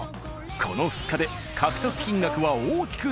この２日で獲得金額は大きく